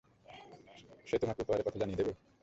সে তোমাকে উপহারের কথা জানিয়ে দেবে।